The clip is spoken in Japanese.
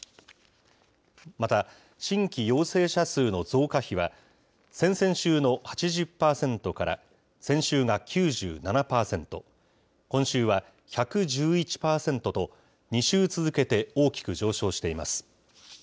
また、新規陽性者数の増加比は、先々週の８０％から、先週が９７％、今週は１１１％と、２週続けて大きく上昇しています。